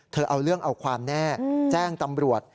เอาเรื่องเอาความแน่แจ้งตำรวจ